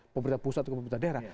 pemerintah pusat atau pemerintah daerah